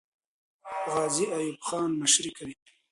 غازي ایوب خان مشري کوي.